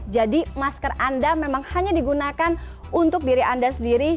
jadi masker anda memang hanya digunakan untuk diri anda sendiri